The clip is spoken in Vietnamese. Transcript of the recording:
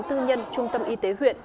tư nhân trung tâm y tế huyện